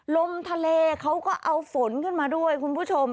ลมทะเลเขาก็เอาฝนขึ้นมาด้วยคุณผู้ชม